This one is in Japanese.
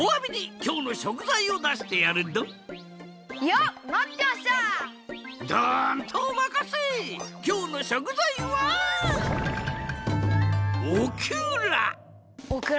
きょうのしょくざいはオクラ！